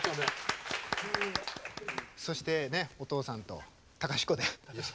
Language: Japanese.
そしてお父さんと隆子で。